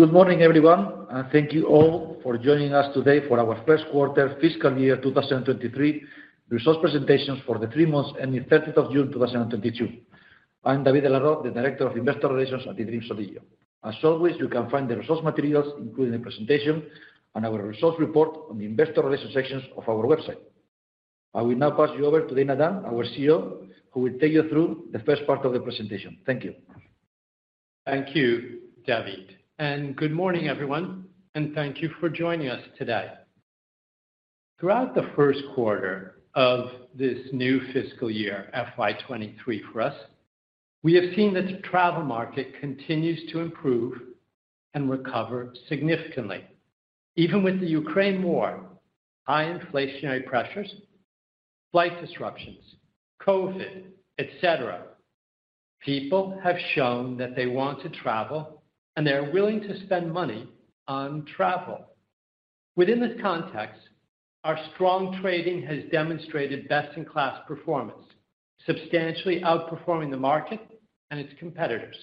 Good morning everyone, and thank you all for joining us today for our first quarter fiscal year 2023 results presentations for the three months ending 30th of June 2022. I'm David de la Roz, the Director of Investor Relations at eDreams ODIGEO. As always, you can find the results materials, including the presentation and our results report on the investor relations sections of our website. I will now pass you over to Dana Dunne, our CEO, who will take you through the first part of the presentation. Thank you. Thank you, David, and good morning everyone, and thank you for joining us today. Throughout the first quarter of this new fiscal year, FY23 for us, we have seen the travel market continues to improve and recover significantly. Even with the Ukraine war, high inflationary pressures, flight disruptions, COVID, etc., people have shown that they want to travel, and they are willing to spend money on travel. Within this context, our strong trading has demonstrated best-in-class performance, substantially outperforming the market and its competitors.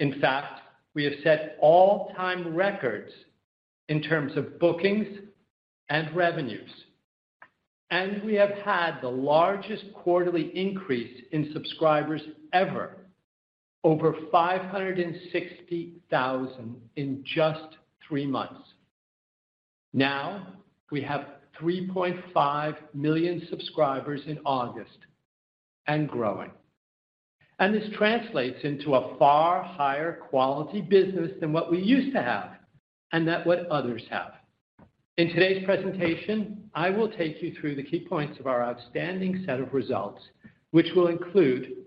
In fact, we have set all-time records in terms of bookings and revenues, and we have had the largest quarterly increase in subscribers ever, over 560,000 in just three months. Now, we have 3.5 million subscribers in August and growing. This translates into a far higher quality business than what we used to have, and than what others have. In today's presentation, I will take you through the key points of our outstanding set of results, which will include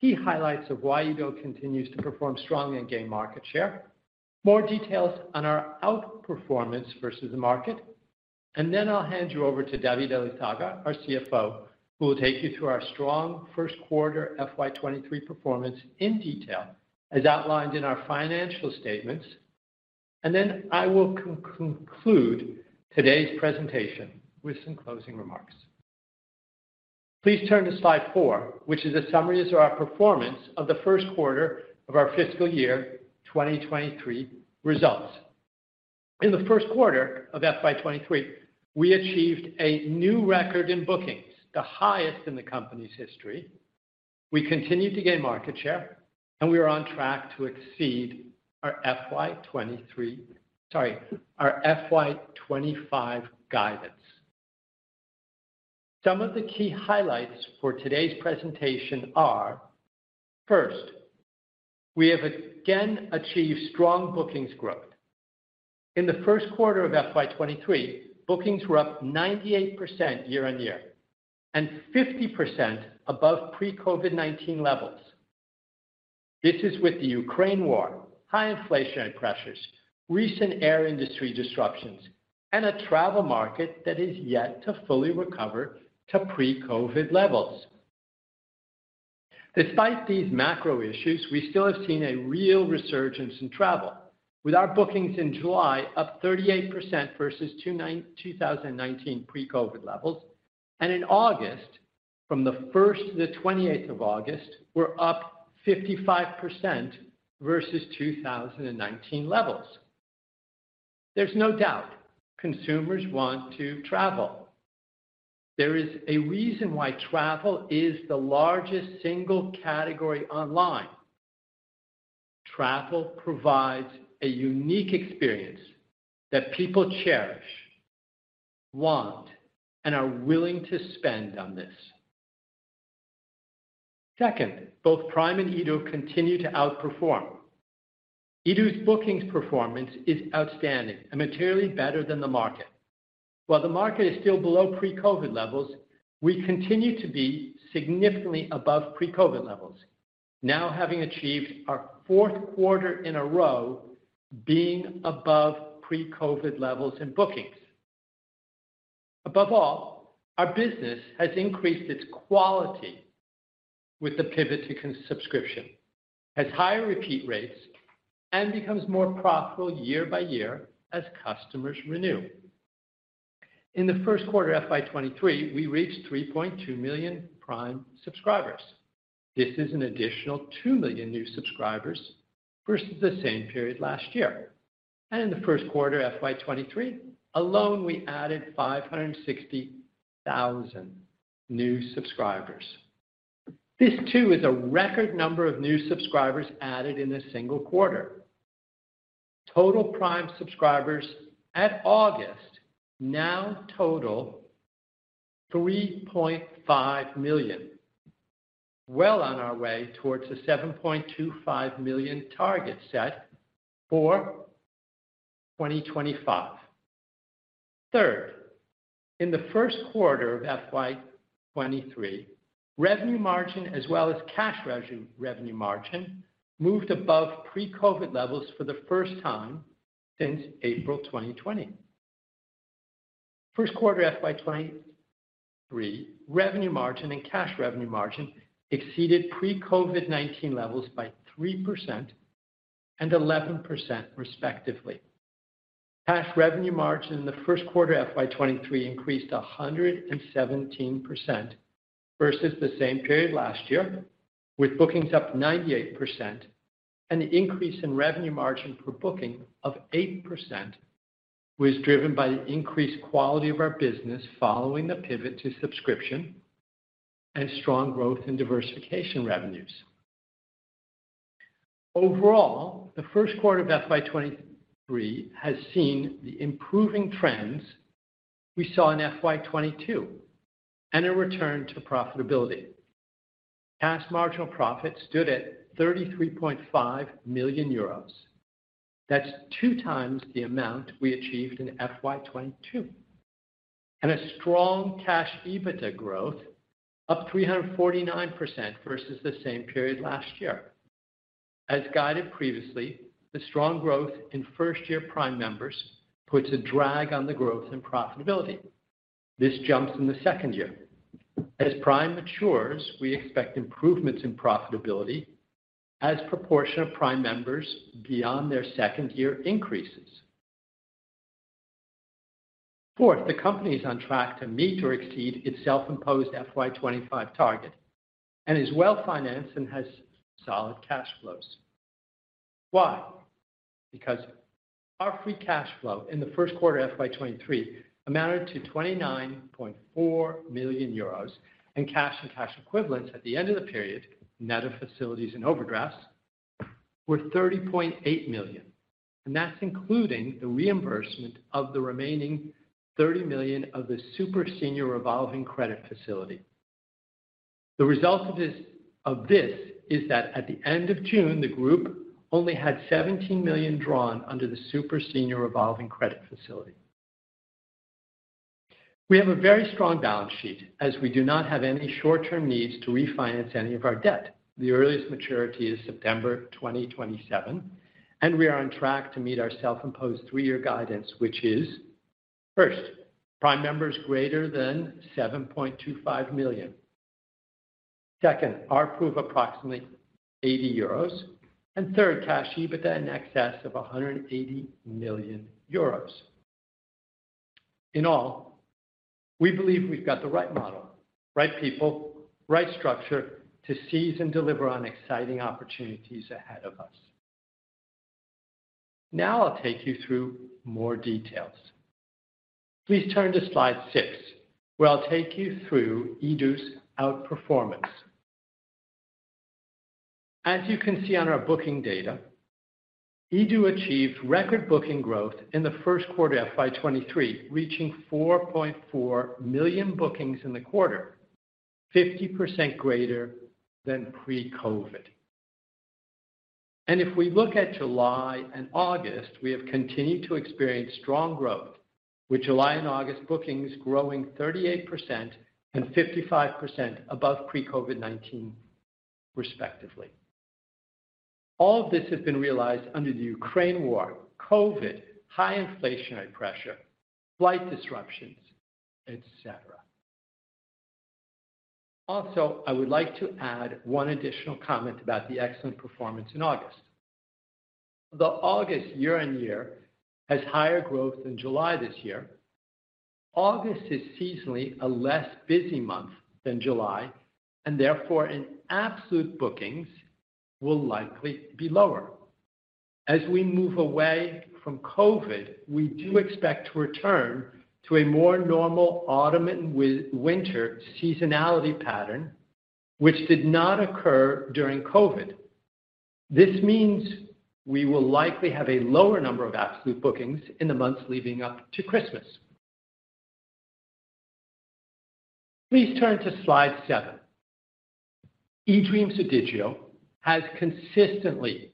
key highlights of why eDreams continues to perform strongly and gain market share, more details on our outperformance versus the market, and then I'll hand you over to David Elizaga, our CFO, who will take you through our strong first quarter FY23 performance in detail as outlined in our financial statements. Then I will conclude today's presentation with some closing remarks. Please turn to slide 4, which is a summary of our performance of the first quarter of our fiscal year 2023 results. In the first quarter of FY23, we achieved a new record in bookings, the highest in the company's history. We continued to gain market share, and we are on track to exceed our FY25 guidance. Some of the key highlights for today's presentation are, first, we have again achieved strong bookings growth. In the first quarter of FY23, bookings were up 98% year-on-year and 50% above pre-COVID-19 levels. This is with the Ukraine War, high inflationary pressures, recent air industry disruptions, and a travel market that is yet to fully recover to pre-COVID levels. Despite these macro issues, we still have seen a real resurgence in travel, with our bookings in July up 38% versus 2019 pre-COVID levels. In August, from the first to the 28th of August, we're up 55% versus 2019 levels. There's no doubt consumers want to travel. There is a reason why travel is the largest single category online. Travel provides a unique experience that people cherish, want, and are willing to spend on this. Second, both Prime and eDreams continue to outperform. eDreams' bookings performance is outstanding and materially better than the market. While the market is still below pre-COVID levels, we continue to be significantly above pre-COVID levels. Now, having achieved our fourth quarter in a row being above pre-COVID levels in bookings. Above all, our business has increased its quality with the pivot to subscription, has higher repeat rates, and becomes more profitable year by year as customers renew. In the first quarter FY 2023, we reached 3.2 million Prime subscribers. This is an additional 2 million new subscribers versus the same period last year. In the first quarter FY23 alone, we added 560,000 new subscribers. This, too, is a record number of new subscribers added in a single quarter. Total Prime subscribers at August now total 3.5 million, well on our way towards the 7.25 million target set for 2025. Third, in the first quarter of FY23, Revenue Margin as well as Cash Revenue Margin moved above pre-COVID levels for the first time since April 2020. First quarter FY23, revenue margin and cash revenue margin exceeded pre-COVID-19 levels by 3% and 11% respectively. Cash revenue margin in the first quarter FY23 increased 117% versus the same period last year, with bookings up 98% and the increase in revenue margin per booking of 8% was driven by the increased quality of our business following the pivot to subscription and strong growth in diversification revenues. Overall, the first quarter of FY23 has seen the improving trends we saw in FY22 and a return to profitability. Cash marginal profit stood at 33.5 million euros. That's 2 times the amount we achieved in FY22. A strong cash EBITDA growth, up 349% versus the same period last year. As guided previously, the strong growth in first-year Prime members puts a drag on the growth and profitability. This jumps in the second year. As Prime matures, we expect improvements in profitability as proportion of Prime members beyond their second year increases. Fourth, the company is on track to meet or exceed its self-imposed FY25 target and is well-financed and has solid cash flows. Why? Because our free cash flow in the first quarter FY23 amounted to 29.4 million euros, and cash and cash equivalents at the end of the period, net of facilities and overdrafts, were 30.8 million. That's including the reimbursement of the remaining 30 million of the Super Senior Revolving Credit Facility. The result of this is that at the end of June, the group only had 17 million drawn under the Super Senior Revolving Credit Facility. We have a very strong balance sheet as we do not have any short-term needs to refinance any of our debt. The earliest maturity is September 2027, and we are on track to meet our self-imposed three-year guidance, which is, first, Prime members greater than 7.25 million. Second, RPU of approximately 80 euros. And third, Cash EBITDA in excess of 180 million euros. In all, we believe we've got the right model, right people, right structure to seize and deliver on exciting opportunities ahead of us. Now I'll take you through more details. Please turn to slide 6, where I'll take you through eDreams ODIGEO's outperformance. As you can see on our booking data, eDreams ODIGEO achieved record booking growth in the first quarter of FY23, reaching 4.4 million bookings in the quarter, 50% greater than pre-COVID. If we look at July and August, we have continued to experience strong growth, with July and August bookings growing 38% and 55% above pre-COVID-19 respectively. All of this has been realized under the Ukraine war, COVID, high inflationary pressure, flight disruptions, etc. Also, I would like to add one additional comment about the excellent performance in August. The August year-on-year has higher growth than July this year. August is seasonally a less busy month than July, and therefore in absolute bookings will likely be lower. As we move away from COVID, we do expect to return to a more normal autumn and winter seasonality pattern, which did not occur during COVID. This means we will likely have a lower number of absolute bookings in the months leading up to Christmas. Please turn to slide seven. eDreams ODIGEO has consistently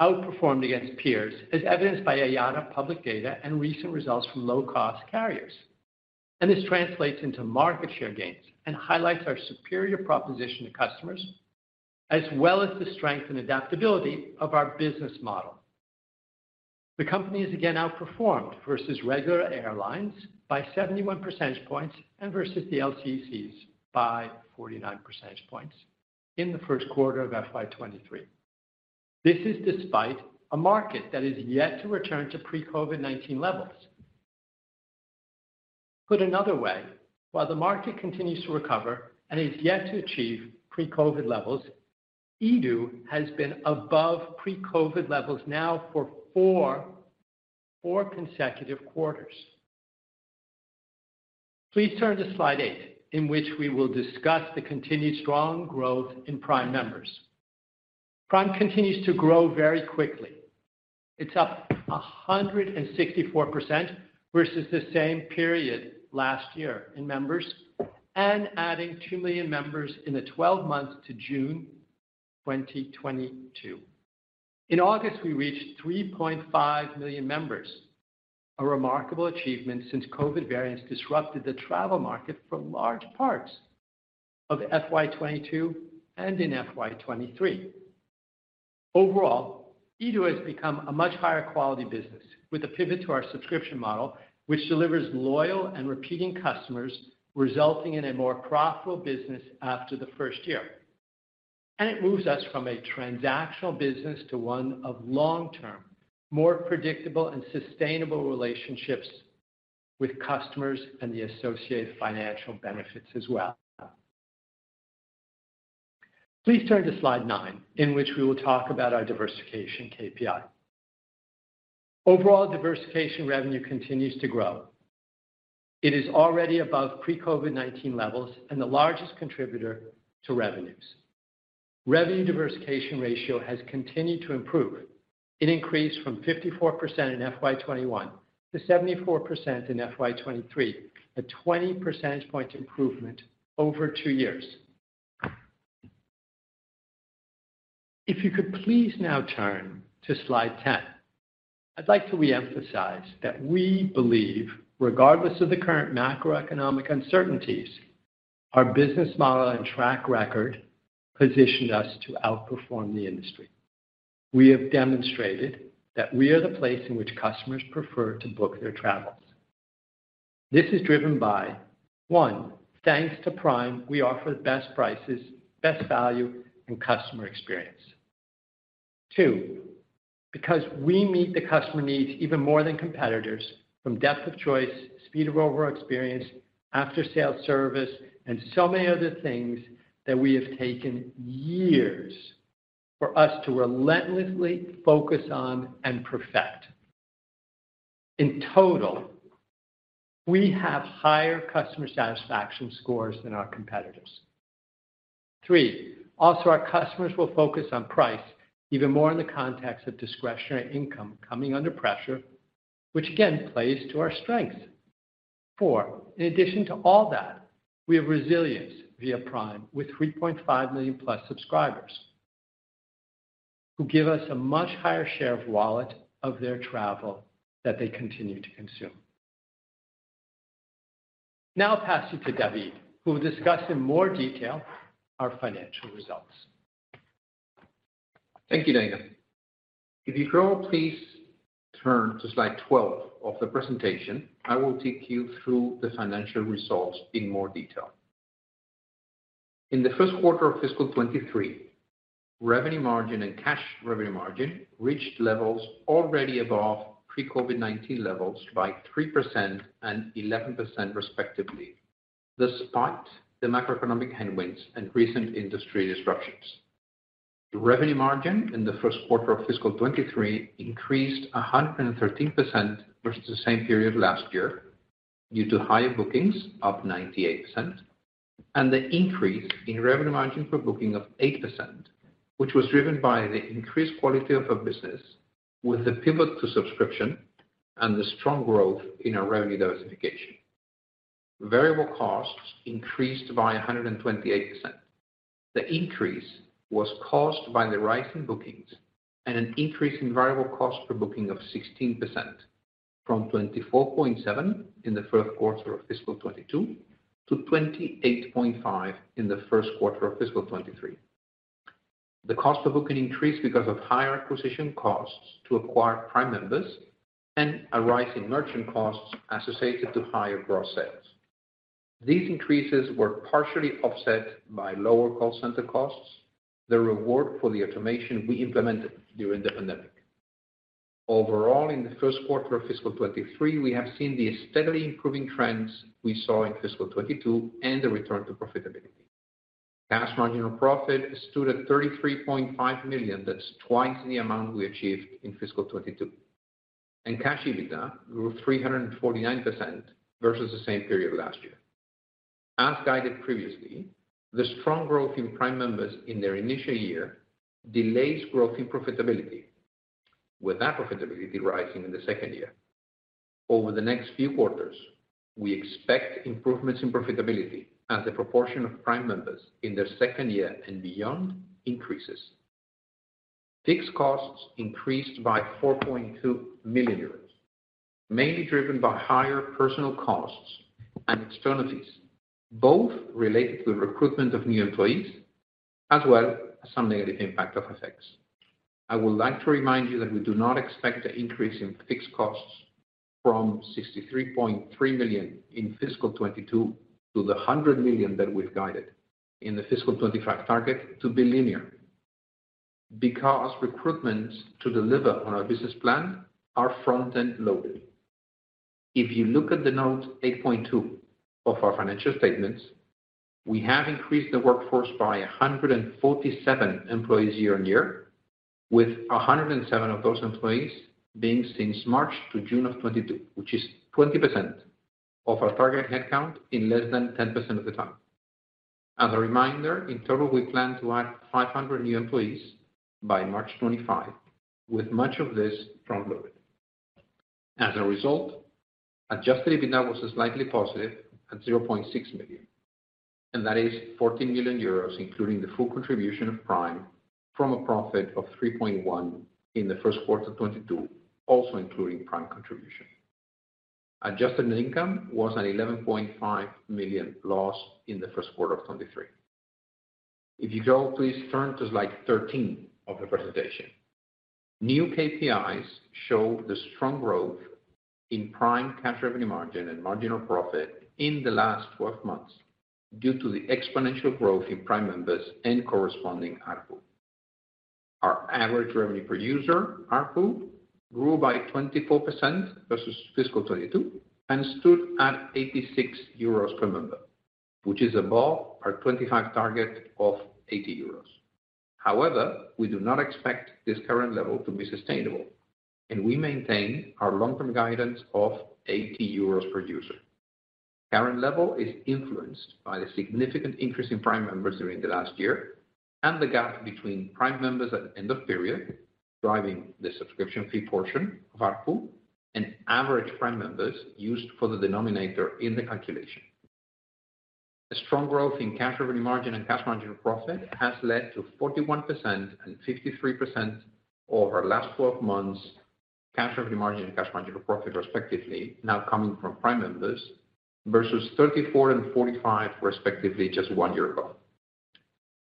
outperformed against peers, as evidenced by IATA public data and recent results from low-cost carriers. This translates into market share gains and highlights our superior proposition to customers, as well as the strength and adaptability of our business model. The company has again outperformed versus regular airlines by 71 percentage points and versus the LCCs by 49 percentage points in the first quarter of FY23. This is despite a market that is yet to return to pre-COVID-19 levels. Put another way, while the market continues to recover and is yet to achieve pre-COVID levels, EDU has been above pre-COVID levels now for 4 consecutive quarters. Please turn to slide 8, in which we will discuss the continued strong growth in Prime members. Prime continues to grow very quickly. It's up 164% versus the same period last year in members and adding 2 million members in the 12 months to June 2022. In August, we reached 3.5 million members, a remarkable achievement since COVID variants disrupted the travel market for large parts of FY22 and in FY23. Overall, EDU has become a much higher quality business with a pivot to our subscription model, which delivers loyal and repeating customers, resulting in a more profitable business after the first year. It moves us from a transactional business to one of long-term, more predictable and sustainable relationships with customers and the associated financial benefits as well. Please turn to slide 9, in which we will talk about our diversification KPI. Overall, diversification revenue continues to grow. It is already above pre-COVID-19 levels and the largest contributor to revenues. Revenue diversification ratio has continued to improve. It increased from 54% in FY 2021 to 74% in FY 2023, a 20 percentage points improvement over 2 years. If you could please now turn to slide 10. I'd like to re-emphasize that we believe, regardless of the current macroeconomic uncertainties, our business model and track record position us to outperform the industry. We have demonstrated that we are the place in which customers prefer to book their travels. This is driven by: One: thanks to Prime, we offer the best prices, best value, and customer experience. Two, because we meet the customer needs even more than competitors from depth of choice, speed of overall experience, after-sale service, and so many other things that we have taken years for us to relentlessly focus on and perfect. In total, we have higher customer satisfaction scores than our competitors. Three, also, our customers will focus on price even more in the context of discretionary income coming under pressure, which again plays to our strength. Four, in addition to all that, we have resilience via Prime with 3.5 million-plus subscribers who give us a much higher share of wallet of their travel that they continue to consume. Now I'll pass you to David, who will discuss in more detail our financial results. Thank you, Dana. If you could all please turn to slide 12 of the presentation, I will take you through the financial results in more detail. In the first quarter of fiscal 2023, revenue margin and cash revenue margin reached levels already above pre-COVID-19 levels by 3% and 11%, respectively. Despite the macroeconomic headwinds and recent industry disruptions, the revenue margin in the first quarter of fiscal 2023 increased 113% versus the same period last year due to higher bookings up 98% and the increase in revenue margin per booking of 8%, which was driven by the increased quality of our business with the pivot to subscription and the strong growth in our revenue diversification. Variable costs increased by 128%. The increase was caused by the rise in bookings and an increase in variable cost per booking of 16% from 24.7% in the first quarter of fiscal 2022 to 28.5% in the first quarter of fiscal 2023. The cost of booking increased because of higher acquisition costs to acquire Prime members and a rise in merchant costs associated to higher gross sales. These increases were partially offset by lower call center costs, the reward for the automation we implemented during the pandemic. Overall, in the first quarter of fiscal 2023, we have seen the steadily improving trends we saw in fiscal 2022 and the return to profitability. Cash margin or profit stood at 33.5 million. That's twice the amount we achieved in fiscal 2022. Cash EBITDA grew 349% versus the same period last year. As guided previously, the strong growth in Prime members in their initial year delays growth in profitability, with that profitability rising in the second year. Over the next few quarters, we expect improvements in profitability as the proportion of Prime members in their second year and beyond increases. Fixed costs increased by 4.2 million euros, mainly driven by higher personnel costs and externalities, both related to the recruitment of new employees as well as some negative impact of effects. I would like to remind you that we do not expect an increase in fixed costs from 63.3 million in fiscal 2022 to the 100 million that we've guided in the fiscal 2025 target to be linear, because recruitments to deliver on our business plan are front-end loaded. If you look at the note 8.2 of our financial statements, we have increased the workforce by 147 employees year-over-year, with 107 of those employees being since March to June of 2022, which is 20% of our target headcount in less than 10% of the time. As a reminder, in total, we plan to add 500 new employees by March 2025, with much of this front-loaded. As a result, adjusted EBITDA was slightly positive at 0.6 million, and cash EBITDA is 14 million euros, including the full contribution of Prime from a profit of 3.1 million in the first quarter of 2022, also including Prime contribution. Adjusted net income was an 11.5 million loss in the first quarter of 2023. If you go, please turn to slide 13 of the presentation. New KPIs show the strong growth in Prime Cash Revenue Margin and Marginal Profit in the last 12 months due to the exponential growth in Prime members and corresponding ARPU. Our average revenue per user, ARPU, grew by 24% versus FY22 and stood at 86 euros per member, which is above our 25 target of 80 euros. However, we do not expect this current level to be sustainable, and we maintain our long-term guidance of 80 euros per user. Current level is influenced by the significant increase in Prime members during the last year and the gap between Prime members at end of period, driving the subscription fee portion of ARPU and average Prime members used for the denominator in the calculation. A strong growth in Cash Revenue Margin and Cash Marginal Profit has led to 41% and 53% over last 12 months Cash Revenue Margin and Cash Marginal Profit respectively, now coming from Prime members versus 34 and 45 respectively just one year ago.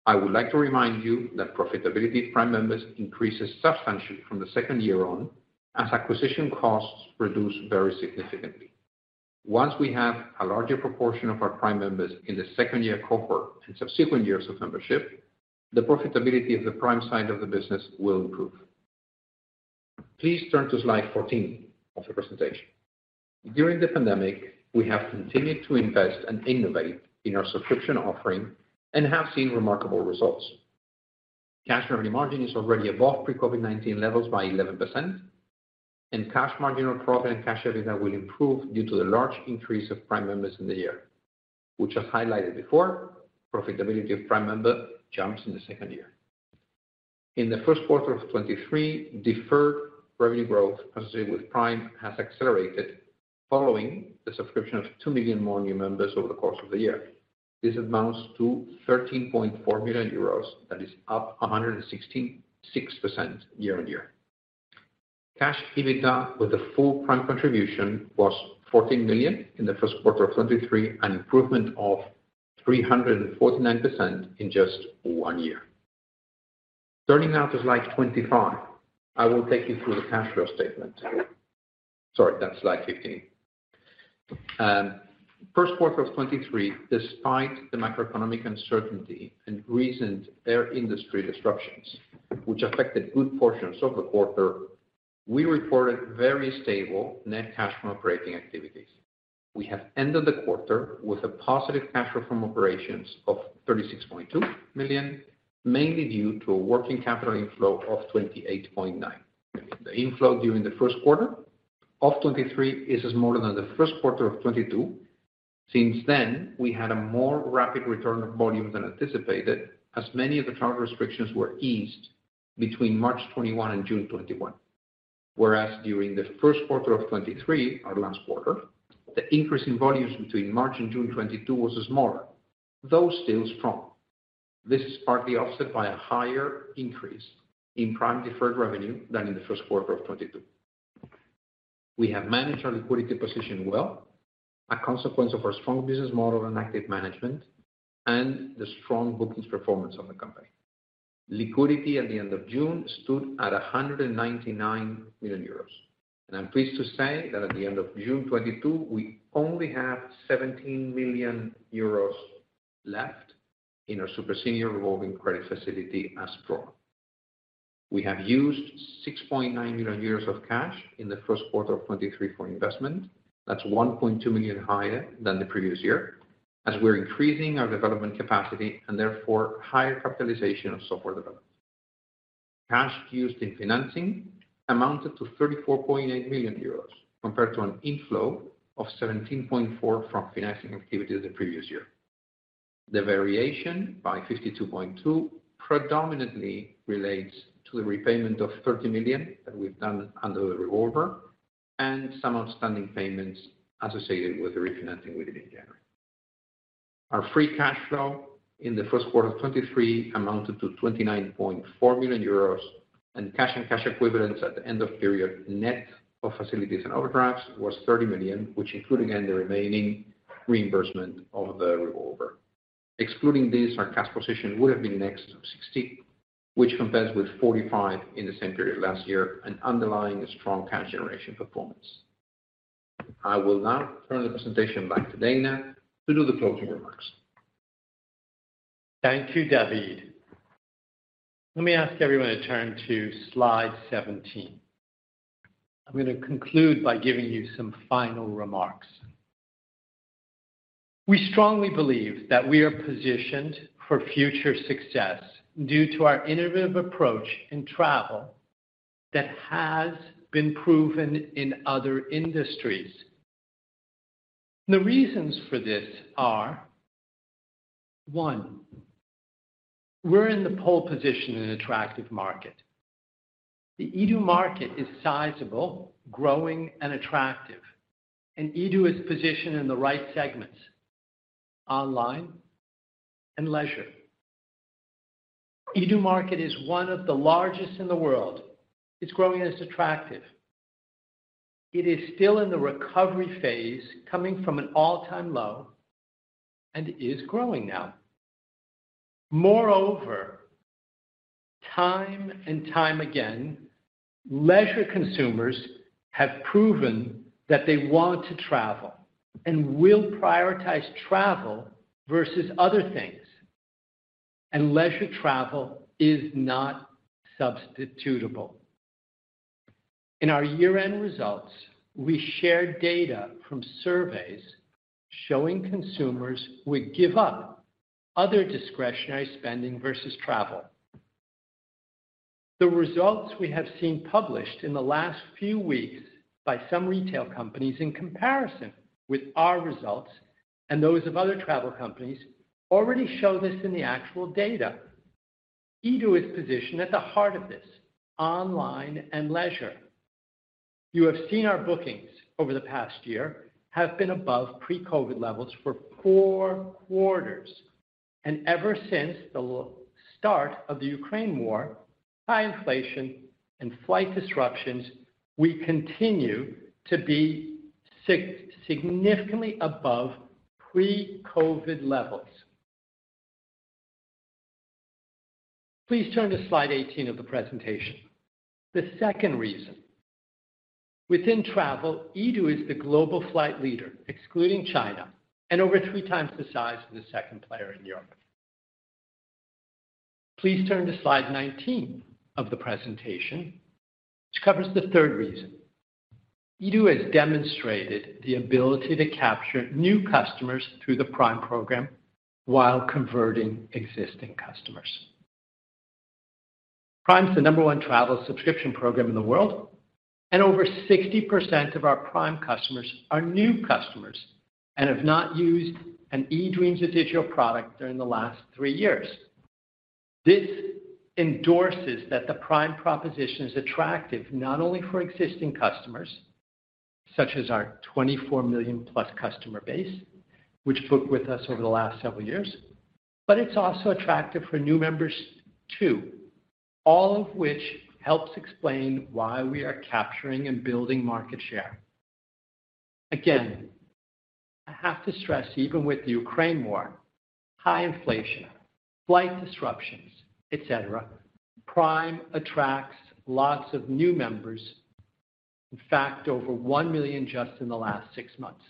I would like to remind you that profitability of Prime members increases substantially from the second year on as acquisition costs reduce very significantly. Once we have a larger proportion of our Prime members in the second year cohort and subsequent years of membership, the profitability of the Prime side of the business will improve. Please turn to slide 14 of the presentation. During the pandemic, we have continued to invest and innovate in our subscription offering and have seen remarkable results. Cash Revenue Margin is already above pre-COVID-19 levels by 11%, and Cash Marginal Profit and Cash EBITDA will improve due to the large increase of Prime members in the year, which as highlighted before, profitability of Prime member jumps in the second year. In the first quarter of 2023, deferred revenue growth associated with Prime has accelerated following the subscription of 2 million more new members over the course of the year. This amounts to 13.4 million euros, that is up 166% year-on-year. Cash EBITDA with a full Prime contribution was 14 million in the first quarter of 2023, an improvement of 349% in just one year. Turning now to slide 25, I will take you through the cash flow statement. Sorry, that's slide 15. First quarter of 2023, despite the macroeconomic uncertainty and recent air industry disruptions, which affected good portions of the quarter, we reported very stable net cash from operating activities. We have ended the quarter with a positive cash flow from operations of 36.2 million, mainly due to a working capital inflow of 28.9 million. The inflow during the first quarter of 2023 is smaller than the first quarter of 2022. Since then, we had a more rapid return of volume than anticipated, as many of the travel restrictions were eased between March 2021 and June 2021. Whereas during the first quarter of 2023, our last quarter, the increase in volumes between March and June 2022 was smaller, though still strong. This is partly offset by a higher increase in Prime deferred revenue than in the first quarter of 2022. We have managed our liquidity position well, a consequence of our strong business model and active management, and the strong bookings performance of the company. Liquidity at the end of June stood at 199 million euros. I'm pleased to say that at the end of June 2022, we only have 17 million euros left in our Super Senior Revolving Credit Facility as drawn. We have used 6.9 million euros of cash in the first quarter of 2023 for investment. That's 1.2 million higher than the previous year, as we're increasing our development capacity and therefore higher capitalization of software development. Cash used in financing amounted to 34.8 million euros, compared to an inflow of 17.4 million from financing activities the previous year. The variation by 52.2 predominantly relates to the repayment of 30 million that we've done under the revolver and some outstanding payments associated with the refinancing we did in January. Our free cash flow in the first quarter of 2023 amounted to 29.4 million euros, and cash and cash equivalents at the end of period, net of facilities and overdrafts, was 30 million, which include, again, the remaining reimbursement of the revolver. Excluding this, our cash position would have been next to 60, which compares with 45 in the same period last year and underlying a strong cash generation performance. I will now turn the presentation back to Dana to do the closing remarks. Thank you, David. Let me ask everyone to turn to slide 17. I'm going to conclude by giving you some final remarks. We strongly believe that we are positioned for future success due to our innovative approach in travel that has been proven in other industries. The reasons for this are, one, we're in the pole position in an attractive market. The eDreams ODIGEO market is sizable, growing, and attractive, and eDreams ODIGEO is positioned in the right segments, online and leisure. eDreams ODIGEO market is one of the largest in the world. It's growing and attractive. It is still in the recovery phase, coming from an all-time low, and is growing now. Moreover, time and time again, leisure consumers have proven that they want to travel and will prioritize travel versus other things, and leisure travel is not substitutable. In our year-end results, we shared data from surveys showing consumers would give up other discretionary spending versus travel. The results we have seen published in the last few weeks by some retail companies, in comparison with our results and those of other travel companies, already show this in the actual data. eDreams ODIGEO is positioned at the heart of this, online and leisure. You have seen our bookings over the past year have been above pre-COVID levels for four quarters, and ever since the start of the Ukraine war, high inflation and flight disruptions, we continue to be significantly above pre-COVID levels. Please turn to slide 18 of the presentation. The second reason. Within travel, eDreams ODIGEO is the global flight leader, excluding China, and over three times the size of the second player in Europe. Please turn to slide 19 of the presentation, which covers the third reason. eDreams ODIGEO has demonstrated the ability to capture new customers through the Prime program while converting existing customers. Prime's the number one travel subscription program in the world, and over 60% of our Prime customers are new customers and have not used an eDreams digital product during the last three years. This endorses that the Prime proposition is attractive not only for existing customers, such as our 24 million-plus customer base, which booked with us over the last several years, but it's also attractive for new members, too. All of which helps explain why we are capturing and building market share. Again, I have to stress, even with the Ukraine war, high inflation, flight disruptions, et cetera, Prime attracts lots of new members. In fact, over 1 million just in the last six months.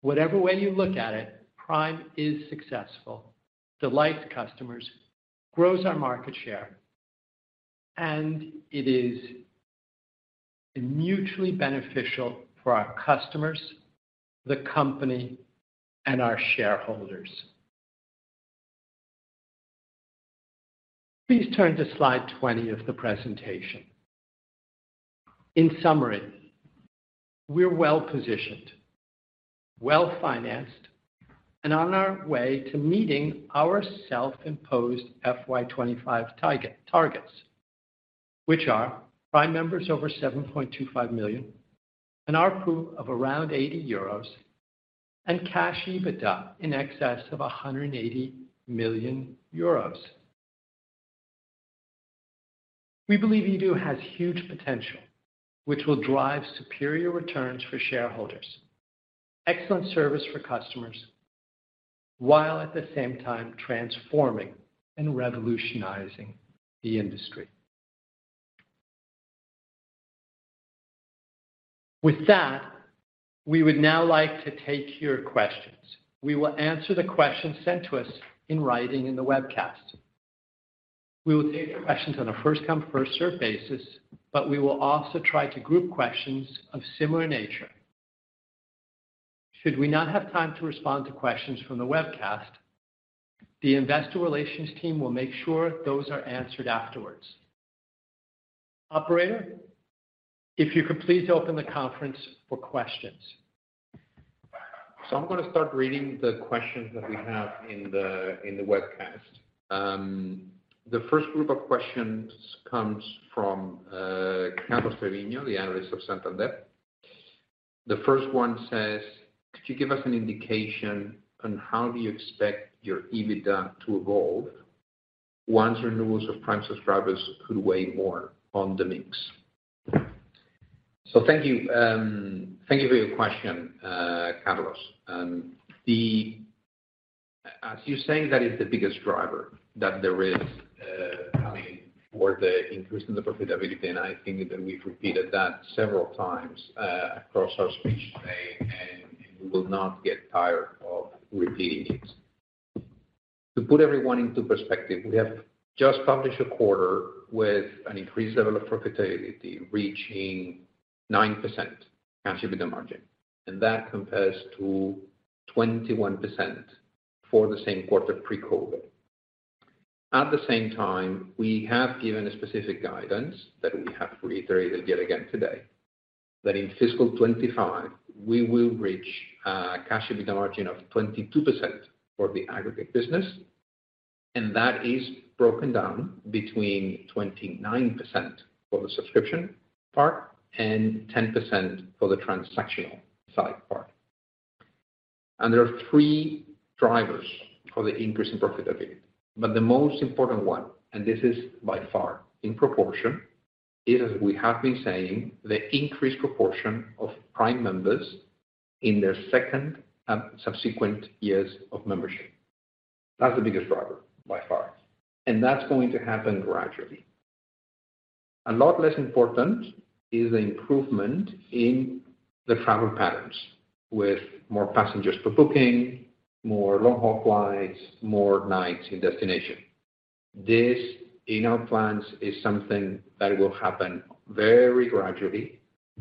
Whatever way you look at it, Prime is successful, delights customers, grows our market share, and it is mutually beneficial for our customers, the company, and our shareholders. Please turn to slide 20 of the presentation. In summary, we're well-positioned, well-financed, and on our way to meeting our self-imposed FY25 targets, which are Prime members over 7.25 million and ARPU of around 80 euros and cash EBITDA in excess of 180 million euros. We believe eDreams ODIGEO has huge potential, which will drive superior returns for shareholders, excellent service for customers, while at the same time transforming and revolutionizing the industry. With that, we would now like to take your questions. We will answer the questions sent to us in writing in the webcast. We will take your questions on a first-come, first-serve basis, but we will also try to group questions of similar nature. Should we not have time to respond to questions from the webcast, the investor relations team will make sure those are answered afterwards. Operator, if you could please open the conference for questions. I'm gonna start reading the questions that we have in the webcast. The first group of questions comes from Carlos Treviño, the analyst of Santander. The first one says, "Could you give us an indication on how do you expect your EBITDA to evolve once renewals of Prime subscribers could weigh more on the mix?" Thank you. Thank you for your question, Carlos. As you're saying, that is the biggest driver that there is, I mean, for the increase in the profitability, and I think that we've repeated that several times, across our speech today, and we will not get tired of repeating it. To put everyone into perspective, we have just published a quarter with an increased level of profitability, reaching 9% Cash EBITDA margin, and that compares to 21% for the same quarter pre-COVID. At the same time, we have given a specific guidance that we have reiterated yet again today, that in fiscal 2025, we will reach a Cash EBITDA margin of 22% for the aggregate business, and that is broken down between 29% for the subscription part and 10% for the transactional side part. There are three drivers for the increase in profitability. The most important one, and this is by far in proportion, is, as we have been saying, the increased proportion of Prime members in their second and subsequent years of membership. That's the biggest driver by far, and that's going to happen gradually. A lot less important is the improvement in the travel patterns, with more passengers per booking, more long-haul flights, more nights in destination. This, in our plans, is something that will happen very gradually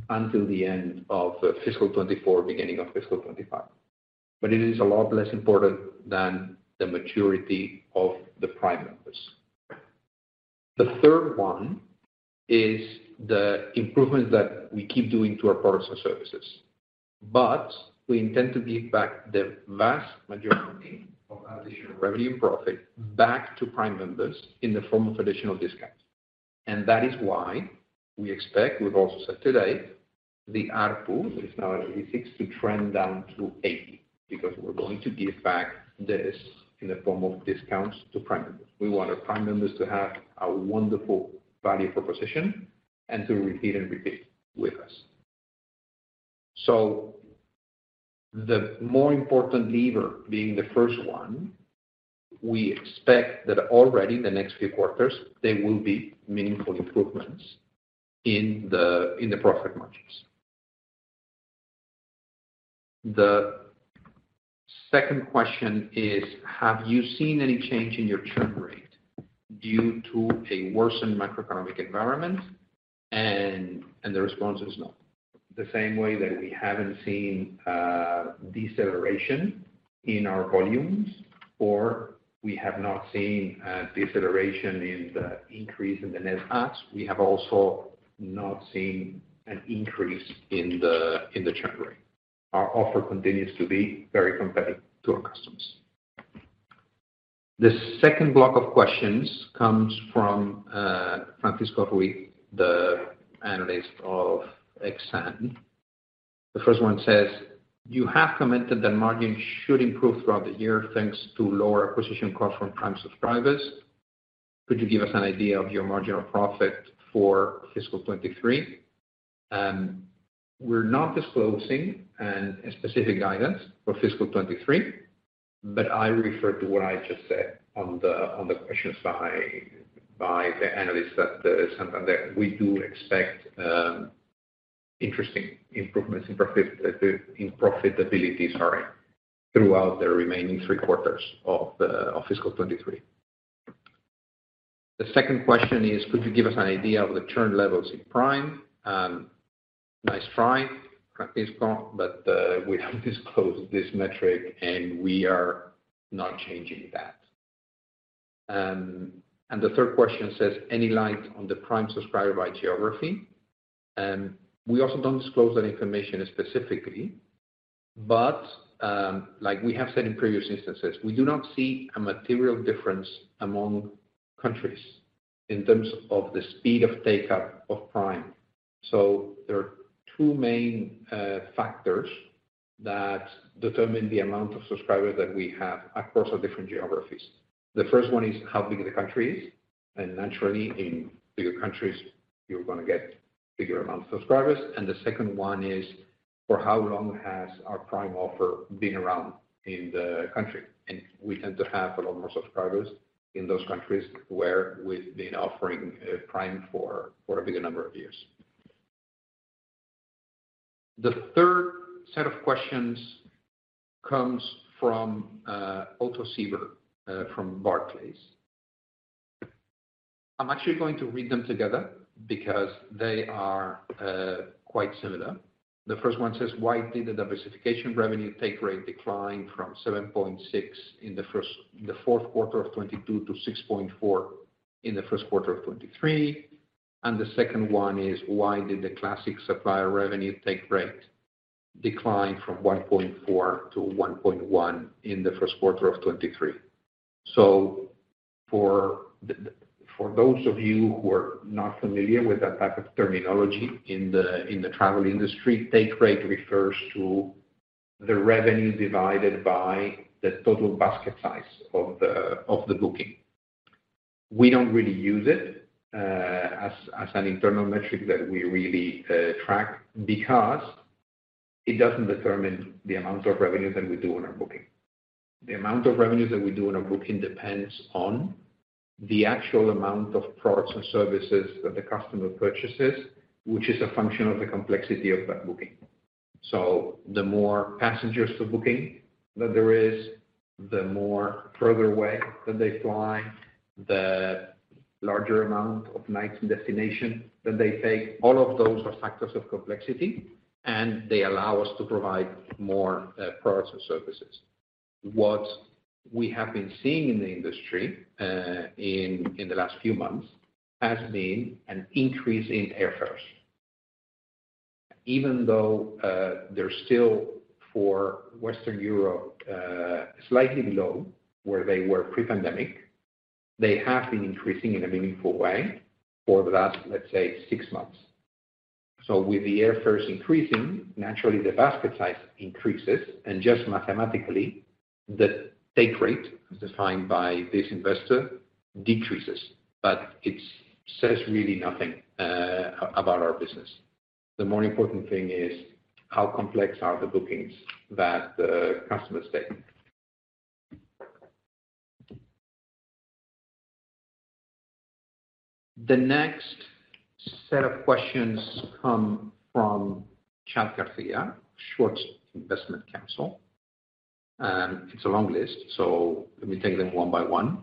until the end of fiscal 2024, beginning of fiscal 2025. It is a lot less important than the maturity of the Prime members. The third one is the improvements that we keep doing to our products and services. We intend to give back the vast majority of additional revenue and profit back to Prime members in the form of additional discounts. That is why we expect, we've also said today, the ARPU, that is now at 86, to trend down to 80, because we're going to give back this in the form of discounts to Prime members. We want our Prime members to have a wonderful value proposition and to repeat and repeat with us. The more important lever being the first one, we expect that already the next few quarters, there will be meaningful improvements in the profit margins. The second question is, have you seen any change in your churn rate due to a worsened macroeconomic environment? The response is no. The same way that we haven't seen deceleration in our volumes, or we have not seen a deceleration in the increase in the net adds, we have also not seen an increase in the churn rate. Our offer continues to be very competitive to our customers. The second block of questions comes from Francisco Ruiz, the analyst of Exane BNP Paribas. The first one says, "You have commented that margin should improve throughout the year, thanks to lower acquisition costs from Prime subscribers. Could you give us an idea of your marginal profit for fiscal 23?" We're not disclosing a specific guidance for fiscal 23, but I refer to what I just said on the questions by the analyst at Santander. We do expect interesting improvements in profitability, sorry, throughout the remaining three quarters of fiscal 23. The second question is, "Could you give us an idea of the churn levels in Prime?" Nice try, Francisco, but we don't disclose this metric, and we are not changing that. The third question says, "Any light on the Prime subscriber by geography?" We also don't disclose that information specifically, but like we have said in previous instances, we do not see a material difference among countries in terms of the speed of take-up of Prime. There are two main factors that determine the amount of subscribers that we have across our different geographies. The first one is how big the country is, and naturally, in bigger countries, you're gonna get bigger amount of subscribers. The second one is for how long has our Prime offer been around in the country. We tend to have a lot more subscribers in those countries where we've been offering Prime for a bigger number of years. The third set of questions comes from Otto Sieber from Barclays. I'm actually going to read them together because they are quite similar. The first one says, "Why did the diversification revenue take rate decline from 7.6% in the fourth quarter of 2022 to 6.4% in the first quarter of 2023?" The second one is, "Why did the classic supplier revenue take rate decline from 1.4% to 1.1% in the first quarter of 2023?" For those of you who are not familiar with that type of terminology in the travel industry, take rate refers to the revenue divided by the total basket size of the booking. We don't really use it as an internal metric that we really track because it doesn't determine the amount of revenue that we do on our booking. The amount of revenues that we do on a booking depends on the actual amount of products and services that the customer purchases, which is a function of the complexity of that booking. The more passengers per booking that there is, the more further away that they fly, the larger amount of nights in destination that they take, all of those are factors of complexity, and they allow us to provide more products and services. What we have been seeing in the industry in the last few months has been an increase in airfares. Even though they're still for Western Europe slightly below where they were pre-pandemic, they have been increasing in a meaningful way for the last, let's say, six months. With the airfares increasing, naturally the basket size increases and just mathematically the take rate as defined by this investor decreases. It says really nothing about our business. The more important thing is how complex are the bookings that the customers take. The next set of questions come from Chad Garcia, Schwartz Investment Counsel. It's a long list, so let me take them one by one.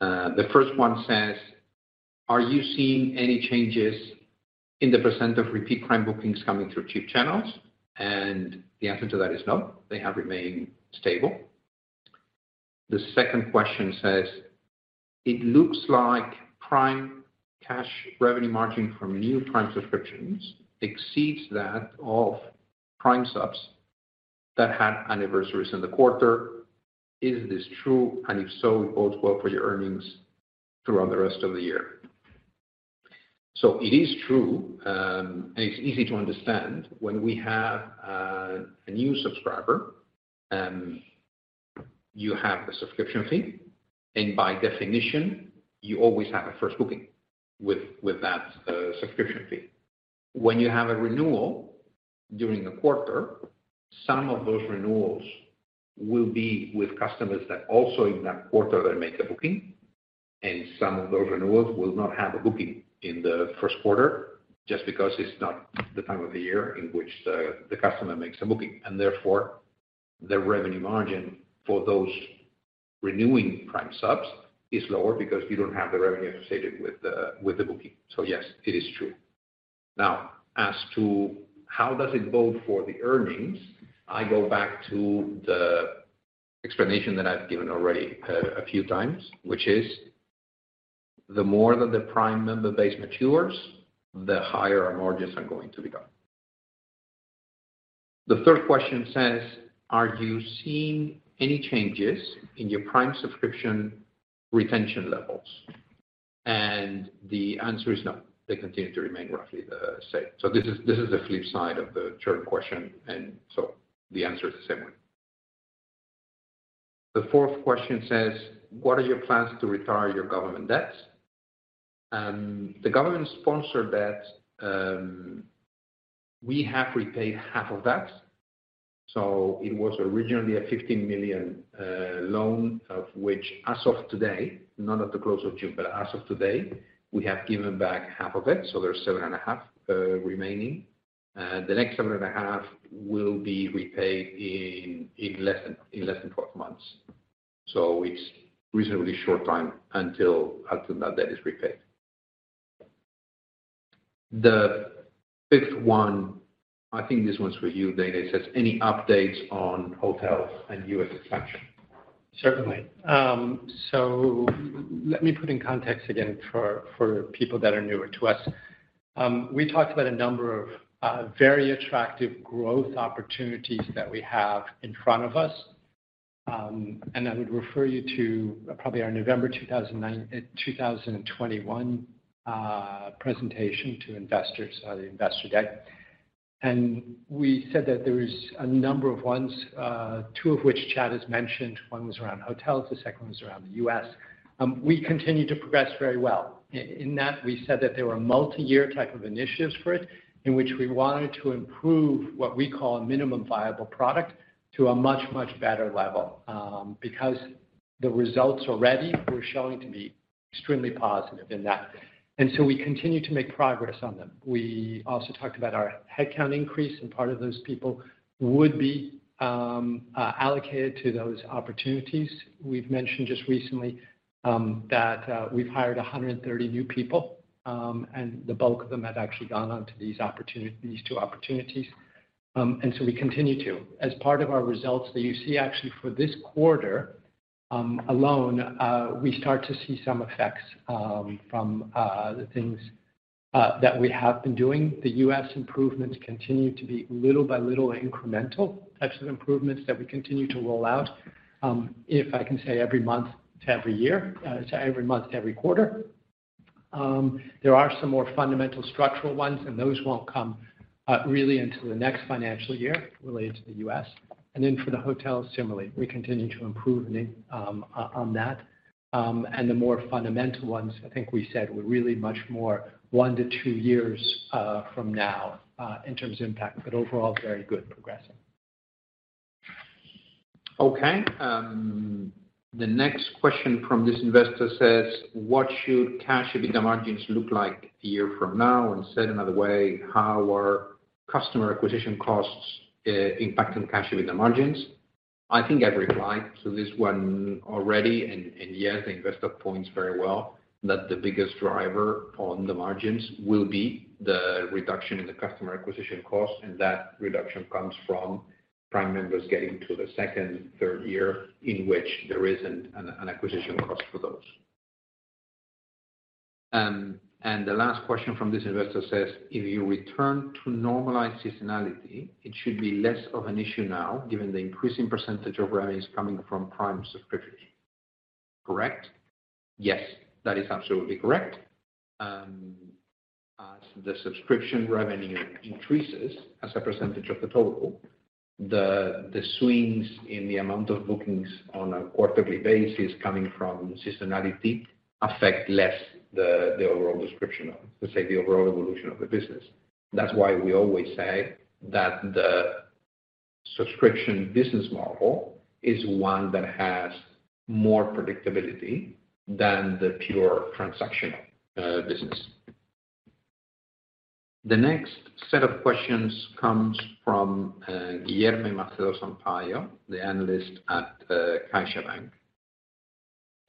The first one says, "Are you seeing any changes in the percent of repeat Prime bookings coming through cheap channels?" The answer to that is no. They have remained stable. The second question says, "It looks like Prime cash revenue margin from new Prime subscriptions exceeds that of Prime subs that had anniversaries in the quarter. Is this true? And if so, it bodes well for your earnings throughout the rest of the year." It is true, and it's easy to understand. When we have a new subscriber, you have a subscription fee, and by definition, you always have a first booking with that subscription fee. When you have a renewal during the quarter, some of those renewals will be with customers that also in that quarter they make a booking, and some of those renewals will not have a booking in the first quarter just because it's not the time of the year in which the customer makes a booking. Therefore, the Revenue Margin for those renewing Prime subs is lower because you don't have the revenue associated with the booking. Yes, it is true. Now, as to how does it bode for the earnings, I go back to the explanation that I've given already a few times, which is, the more that the Prime member base matures, the higher our margins are going to become. The third question says, "Are you seeing any changes in your Prime subscription retention levels?" The answer is no. They continue to remain roughly the same. This is the flip side of the churn question, and so the answer is the same way. The fourth question says, "What are your plans to retire your government debts?" The government-sponsored debt, we have repaid half of that. It was originally a 15 million loan, of which as of today, not at the close of June, but as of today, we have given back half of it, so there's 7.5 million remaining. The next 7.5 million will be repaid in less than 12 months. It's reasonably short time until ultimately that debt is repaid. The fifth one, I think this one's for you, David. It says, "Any updates on hotels and U.S. expansion? Certainly. So let me put in context again for people that are newer to us. We talked about a number of very attractive growth opportunities that we have in front of us. I would refer you to probably our November 2021 presentation to investors at investor day. We said that there is a number of ones, two of which Chad has mentioned. One was around hotels, the second one was around the U.S. We continue to progress very well. In that, we said that there were multi-year type of initiatives for it, in which we wanted to improve what we call a minimum viable product to a much, much better level, because the results already were showing to be extremely positive in that. We continue to make progress on them. We also talked about our headcount increase, and part of those people would be allocated to those opportunities. We've mentioned just recently that we've hired 130 new people, and the bulk of them have actually gone on to these opportunities, these two opportunities. We continue to. As part of our results that you see actually for this quarter alone, we start to see some effects from the things that we have been doing. The US improvements continue to be little by little incremental types of improvements that we continue to roll out, if I can say every month to every year, so every month to every quarter. There are some more fundamental structural ones, and those won't come really until the next financial year related to the US. For the hotels, similarly, we continue to improve on that. The more fundamental ones, I think we said were really much more 1-2 years from now in terms of impact. Overall, very good progression. Okay. The next question from this investor says, "What should Cash EBITDA margins look like a year from now? And said another way, how are customer acquisition costs impacting Cash EBITDA margins?" I think I've replied to this one already. Yes, the investor points very well that the biggest driver on the margins will be the reduction in the customer acquisition costs, and that reduction comes from Prime members getting to the second, third year in which there isn't an acquisition cost for those. The last question from this investor says, "If you return to normalized seasonality, it should be less of an issue now given the increasing percentage of revenues coming from Prime subscription." Correct. Yes, that is absolutely correct. As the subscription revenue increases as a percentage of the total, the swings in the amount of bookings on a quarterly basis coming from seasonality affect less the overall description of, let's say, the overall evolution of the business. That's why we always say that the subscription business model is one that has more predictability than the pure transactional business. The next set of questions comes from Guilherme Marcelo Sampaio, the analyst at CaixaBank.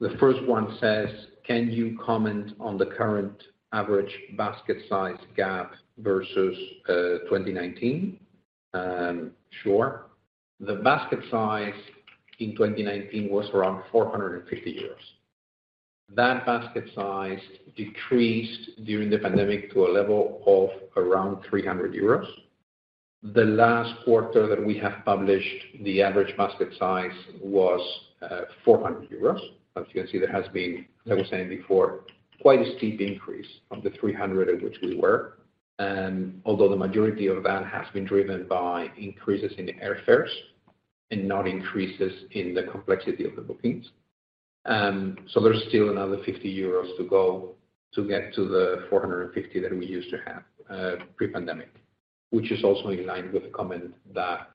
The first one says, "Can you comment on the current average basket size gap versus 2019?" Sure. The basket size in 2019 was around 450 euros. That basket size decreased during the pandemic to a level of around 300 euros. The last quarter that we have published, the average basket size was 400 euros. As you can see, there has been, as I was saying before, quite a steep increase of the 300 EUR at which we were. Although the majority of that has been driven by increases in airfares and not increases in the complexity of the bookings. There's still another 50 euros to go to get to the 450 EUR that we used to have pre-pandemic, which is also in line with the comment that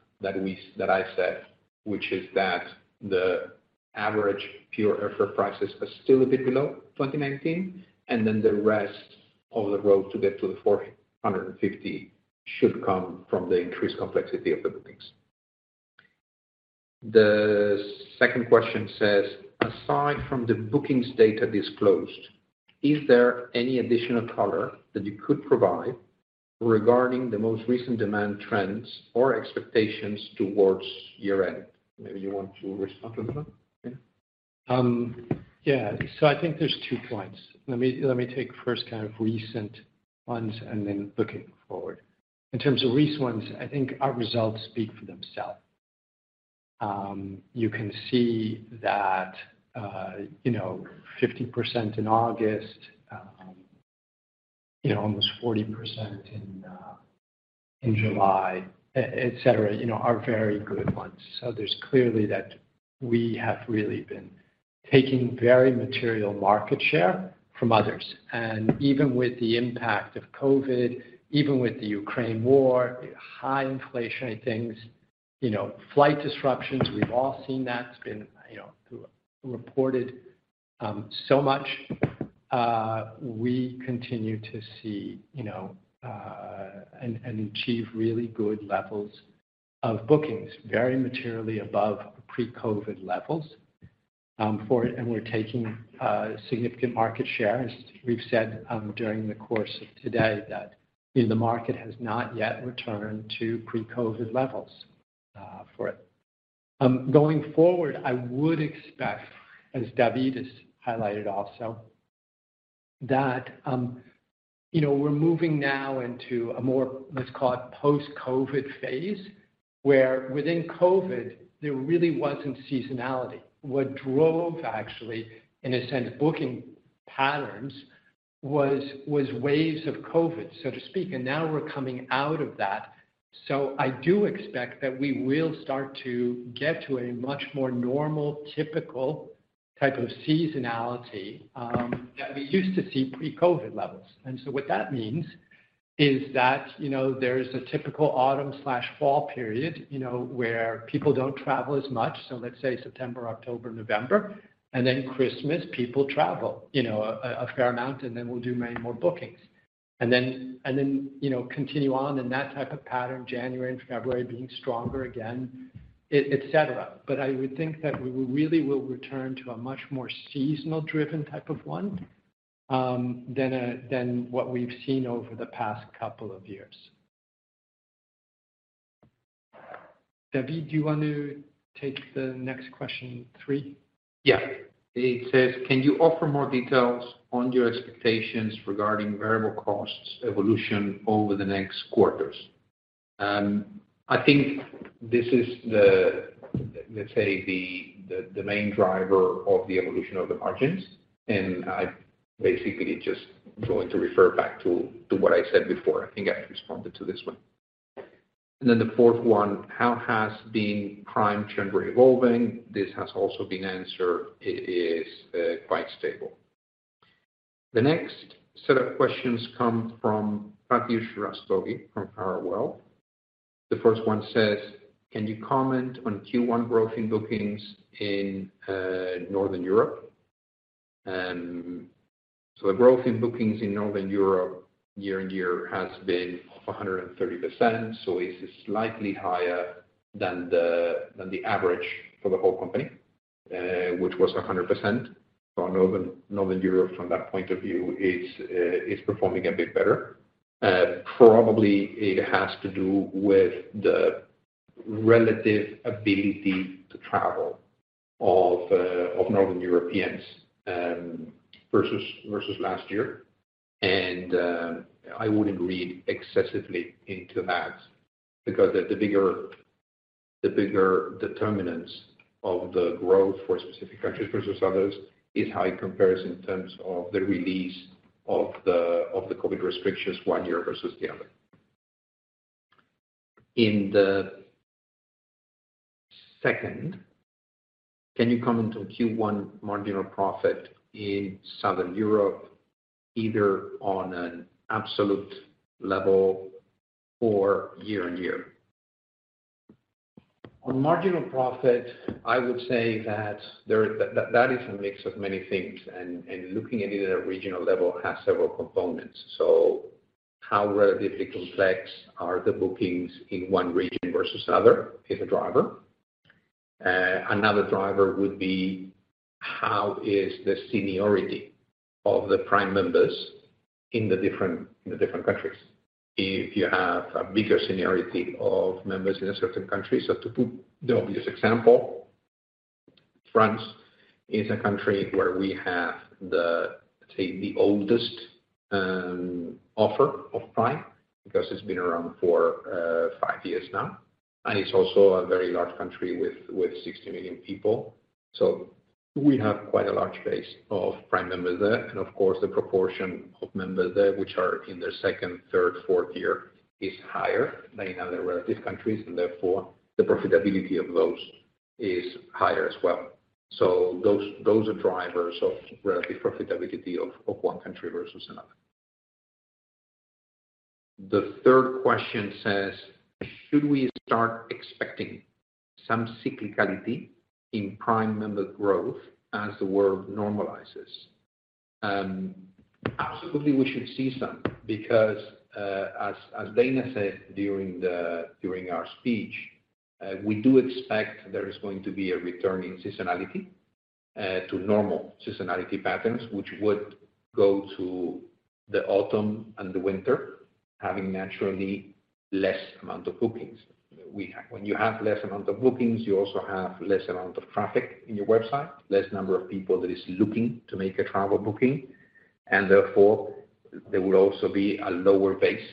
I said, which is that the average pure airfare prices are still a bit below 2019, and then the rest of the road to get to the 450 EUR should come from the increased complexity of the bookings. The second question says, "Aside from the bookings data disclosed, is there any additional color that you could provide regarding the most recent demand trends or expectations towards year-end?" Maybe you want to respond to that one. Yeah. Yeah. I think there's two points. Let me take first kind of recent ones and then looking forward. In terms of recent ones, I think our results speak for themselves. You can see that, you know, 50% in August, you know, almost 40% in July, et cetera, you know, are very good ones. There's clearly that we have really been taking very material market share from others. Even with the impact of COVID, even with the Ukraine war, high inflationary things, you know, flight disruptions, we've all seen that. It's been, you know, reported so much. We continue to see, you know, and achieve really good levels of bookings, very materially above pre-COVID levels for it, and we're taking significant market share. As we've said, during the course of today that the market has not yet returned to pre-COVID levels, for it. Going forward, I would expect, as David has highlighted also, that, you know, we're moving now into a more, let's call it post-COVID phase, where within COVID, there really wasn't seasonality. What drove actually, in a sense, booking patterns was waves of COVID, so to speak. Now we're coming out of that. I do expect that we will start to get to a much more normal, typical type of seasonality, that we used to see pre-COVID levels. What that means is that, you know, there is a typical autumn/fall period, you know, where people don't travel as much. Let's say September, October, November, and then Christmas, people travel, you know, a fair amount, and then we'll do many more bookings. Then, you know, continue on in that type of pattern, January and February being stronger again, et cetera. I would think that we really will return to a much more seasonal driven type of one than what we've seen over the past couple of years. David, do you want to take the next question three? Yeah. It says, "Can you offer more details on your expectations regarding variable costs evolution over the next quarters?" I think this is the main driver of the evolution of the margins. I basically just going to refer back to what I said before. I think I responded to this one. The fourth one, "How has Prime churn been evolving?" This has also been answered. It is quite stable. The next set of questions come from Pratyush Rastogi from Powerwell. The first one says, "Can you comment on Q1 growth in bookings in Northern Europe?" The growth in bookings in Northern Europe year-over-year has been 130%. It's slightly higher than the average for the whole company, which was 100%. Northern Europe from that point of view is performing a bit better. Probably it has to do with the relative ability to travel of Northern Europeans versus last year. I wouldn't read excessively into that because the bigger determinants of the growth for specific countries versus others is how it compares in terms of the release of the COVID restrictions one year versus the other. In the second, can you comment on Q1 marginal profit in Southern Europe, either on an absolute level or year-on-year? On marginal profit, I would say that is a mix of many things, and looking at it at a regional level has several components. How relatively complex are the bookings in one region versus other is a driver. Another driver would be how is the seniority of the Prime members in the different countries. If you have a bigger seniority of members in a certain country. To put the obvious example, France is a country where we have, say, the oldest offer of Prime because it's been around for 5 years now, and it's also a very large country with 60 million people. We have quite a large base of Prime members there. Of course, the proportion of members there which are in their second, third, fourth year is higher than in other relative countries, and therefore the profitability of those is higher as well. Those are drivers of relative profitability of one country versus another. The third question says, should we start expecting some cyclicality in Prime member growth as the world normalizes? Absolutely, we should see some because, as Dana said during our speech, we do expect there is going to be a return in seasonality, to normal seasonality patterns, which would go to the autumn and the winter having naturally less amount of bookings. When you have less amount of bookings, you also have less amount of traffic in your website, less number of people that is looking to make a travel booking, and therefore there will also be a lower base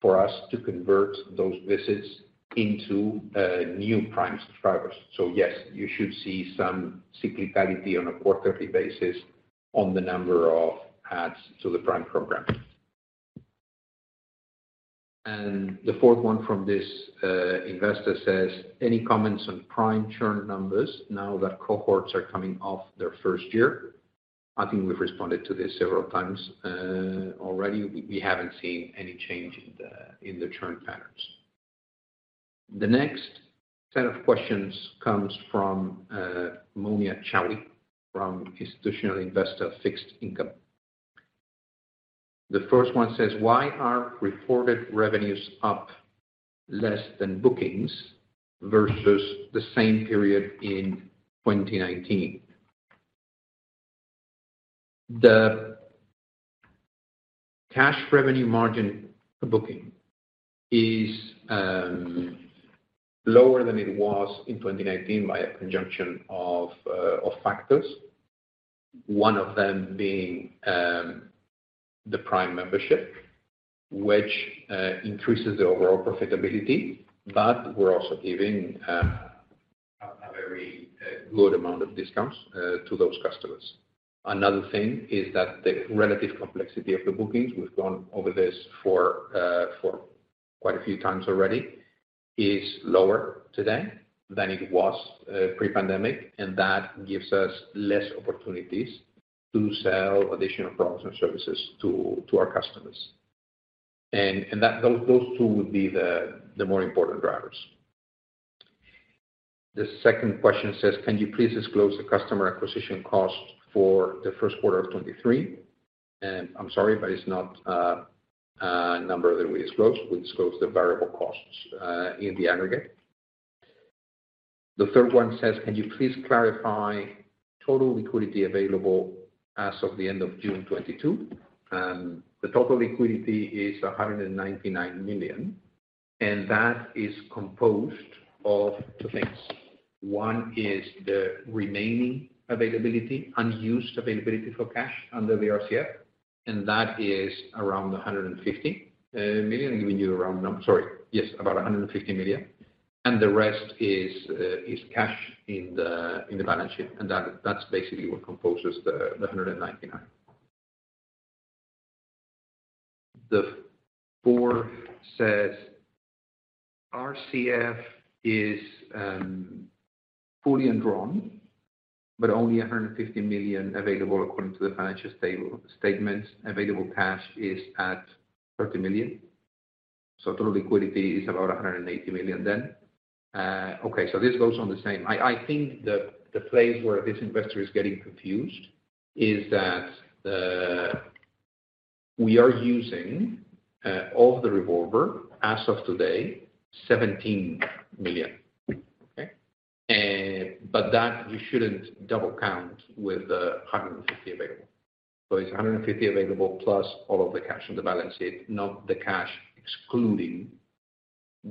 for us to convert those visits into, new Prime subscribers. Yes, you should see some cyclicality on a quarterly basis on the number of adds to the Prime program. The fourth one from this investor says, "Any comments on Prime churn numbers now that cohorts are coming off their first year?" I think we've responded to this several times already. We haven't seen any change in the churn patterns. The next set of questions comes from Monia Chawi from Institutional Investor Fixed Income. The first one says, "Why are reported revenues up less than bookings versus the same period in 2019?" The Cash Revenue Margin per booking is lower than it was in 2019 by a conjunction of factors. One of them being the Prime membership, which increases the overall profitability, but we're also giving a very good amount of discounts to those customers. Another thing is that the relative complexity of the bookings, we've gone over this for quite a few times already, is lower today than it was pre-pandemic, and that gives us less opportunities to sell additional products and services to our customers. Those two would be the more important drivers. The second question says, "Can you please disclose the customer acquisition cost for the first quarter of 2023?" I'm sorry, but it's not a number that we disclose. We disclose the variable costs in the aggregate. The third one says, "Can you please clarify total liquidity available as of the end of June 2022?" The total liquidity is 199 million, and that is composed of two things. One is the remaining availability, unused availability for cash under the RCF, and that is around 150 million. About 150 million. The rest is cash in the balance sheet. That is basically what composes the 199 million. The fourth says, "RCF is fully undrawn, but only 150 million available according to the financial statements. Available cash is at 30 million. So total liquidity is about 180 million then." This goes on the same. I think the place where this investor is getting confused is that we are using EUR 17 million of the revolver as of today, but we shouldn't double count with the 150 available. It's 150 available plus all of the cash on the balance sheet, not the cash excluding the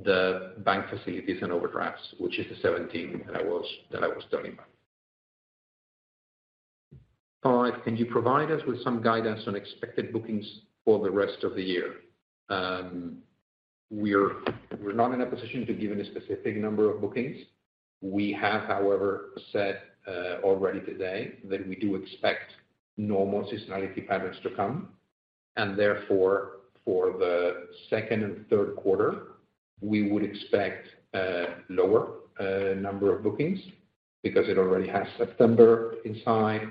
bank facilities and overdrafts, which is the 17 that I was telling about. Can you provide us with some guidance on expected bookings for the rest of the year? We're not in a position to give any specific number of bookings. We have, however, said already today that we do expect normal seasonality patterns to come. Therefore, for the second and third quarter, we would expect a lower number of bookings because it already has September inside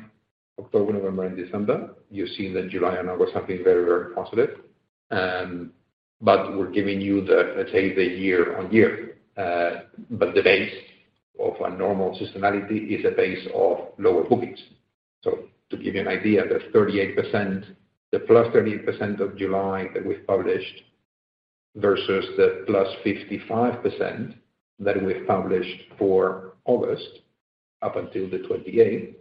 October, November and December. You've seen that July and August have been very, very positive. We're giving you the, let's say, the year-on-year. The base of a normal seasonality is a base of lower bookings. To give you an idea, the +38% of July that we've published versus the +55% that we've published for August up until the 28th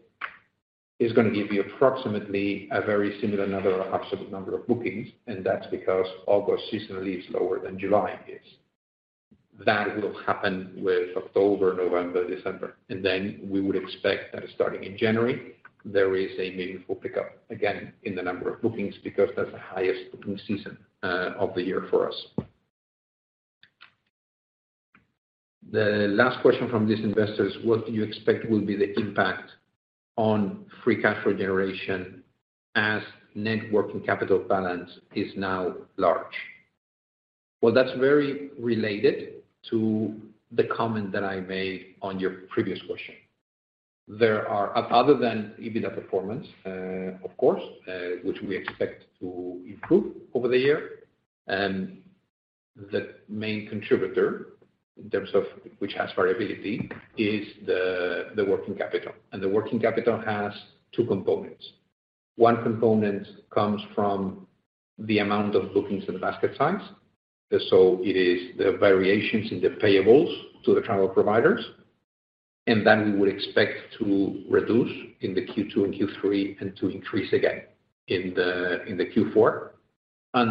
is gonna give you approximately a very similar number, absolute number of bookings. That's because August seasonally is lower than July is. That will happen with October, November, December, and then we would expect that starting in January, there is a meaningful pickup again in the number of bookings because that's the highest booking season of the year for us. The last question from this investor is, what do you expect will be the impact on free cash flow generation as net working capital balance is now large? Well, that's very related to the comment that I made on your previous question. Other than EBITDA performance, of course, which we expect to improve over the year, the main contributor in terms of which has variability is the working capital. The working capital has two components. One component comes from the amount of bookings and basket size. It is the variations in the payables to the travel providers. That we would expect to reduce in the Q2 and Q3 and to increase again in the Q4.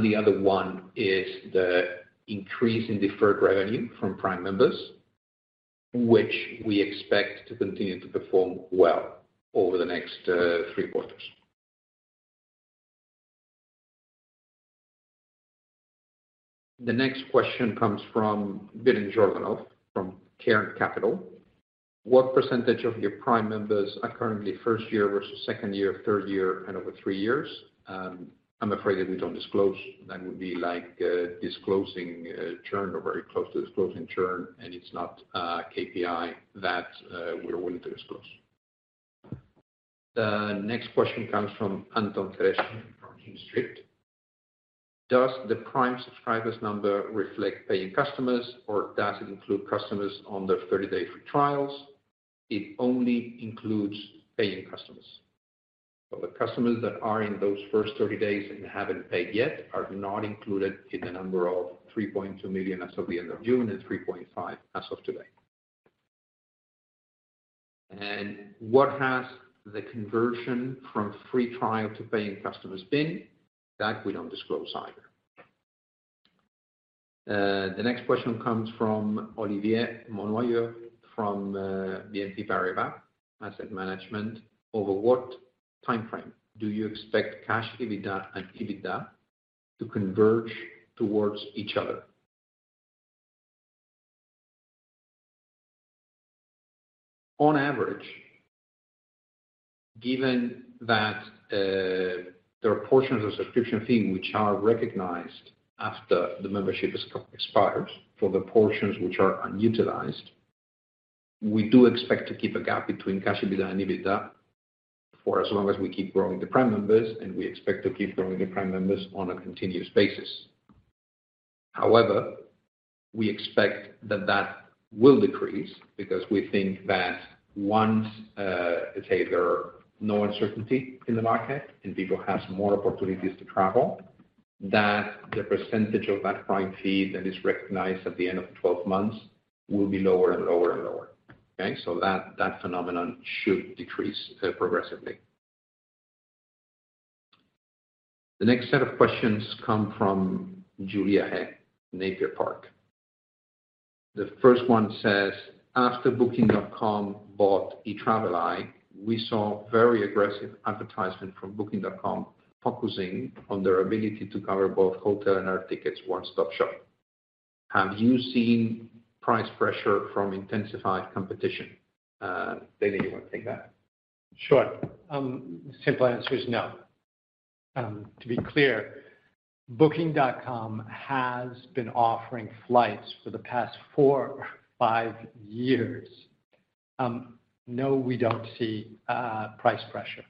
The other one is the increase in deferred revenue from Prime members, which we expect to continue to perform well over the next three quarters. The next question comes from Vihren Jordanov from Cairn Capital. What percentage of your Prime members are currently first year versus second year, third year and over three years? I'm afraid that we don't disclose. That would be like disclosing churn or very close to disclosing churn, and it's not a KPI that we're willing to disclose. The next question comes from Anton Zhereshchin from King Street. Does the Prime subscribers number reflect paying customers or does it include customers on their 30-day free trials? It only includes paying customers. The customers that are in those first 30 days and haven't paid yet are not included in the number of 3.2 million as of the end of June and 3.5 as of today. What has the conversion from free trial to paying customers been? That we don't disclose either. The next question comes from Olivier Monnoyeur from BNP Paribas Asset Management. Over what timeframe do you expect cash EBITDA and EBITDA to converge towards each other? On average, given that, there are portions of subscription fee which are recognized after the membership expires for the portions which are unutilized. We do expect to keep a gap between Cash EBITDA and EBITDA for as long as we keep growing the Prime members, and we expect to keep growing the Prime members on a continuous basis. However, we expect that will decrease because we think that once, let's say there are no uncertainty in the market and people have more opportunities to travel, that the percentage of that Prime fee that is recognized at the end of twelve months will be lower and lower and lower. Okay? That phenomenon should decrease progressively. The next set of questions come from Julia He, Napier Park. The first one says, after Booking.com bought Etraveli, we saw very aggressive advertisement from Booking.com, focusing on their ability to cover both hotel and air tickets one-stop shop. Have you seen price pressure from intensified competition? David, you wanna take that? Sure. Simple answer is no. To be clear, Booking.com has been offering flights for the past four-five years. No, we don't see price pressure.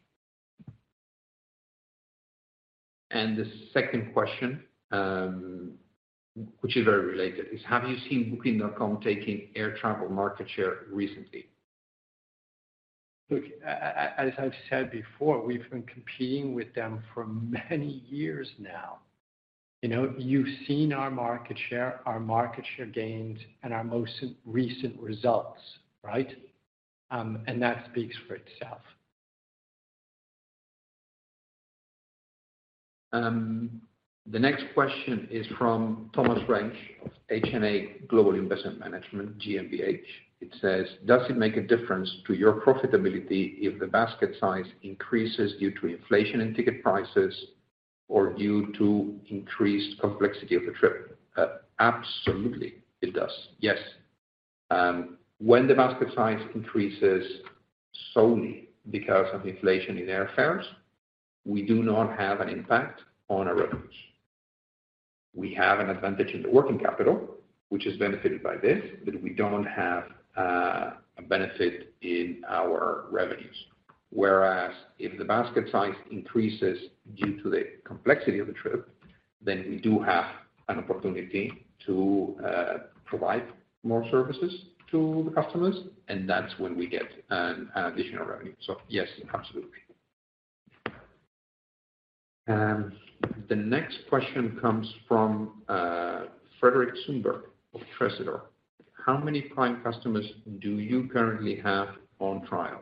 The second question, which is very related, is have you seen Booking.com taking air travel market share recently? Look, as I've said before, we've been competing with them for many years now. You know, you've seen our market share gains and our most recent results, right? That speaks for itself. The next question is from Thomas Rentsch of HNA Global Investment Management GmbH. It says, "Does it make a difference to your profitability if the basket size increases due to inflation in ticket prices or due to increased complexity of the trip?" Absolutely it does. Yes. When the basket size increases solely because of inflation in airfares, we do not have an impact on our revenues. We have an advantage in the working capital, which is benefited by this, but we don't have a benefit in our revenues. Whereas if the basket size increases due to the complexity of the trip, then we do have an opportunity to provide more services to the customers, and that's when we get an additional revenue. Yes, absolutely. The next question comes from Frederick Sundberg of Tresor. How many Prime customers do you currently have on trial?"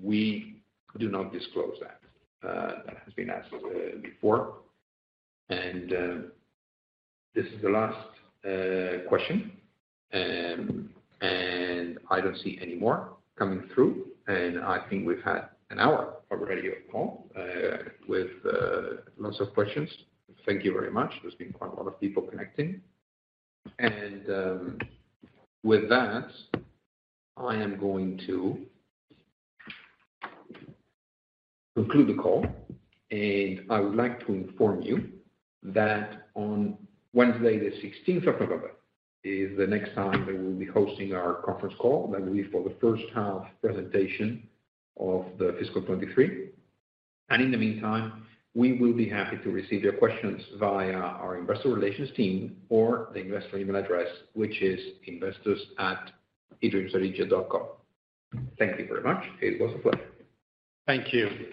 We do not disclose that. That has been asked before. This is the last question. I don't see any more coming through, and I think we've had an hour already of call with lots of questions. Thank you very much. There's been quite a lot of people connecting. With that, I am going to conclude the call, and I would like to inform you that on Wednesday, the 16th of November is the next time that we'll be hosting our conference call. That will be for the first half presentation of the fiscal 2023. In the meantime, we will be happy to receive your questions via our investor relations team or the investor email address, which is investors@edreamsodigeo.com. Thank you very much. It was a pleasure. Thank you.